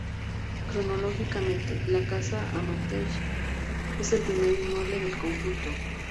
Cronológicamente, la Casa Amatller es el primer inmueble del conjunto.